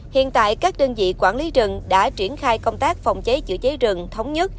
hiện tại các đơn vị quản lý rừng đã triển khai công tác phòng cháy chữa cháy rừng thống nhất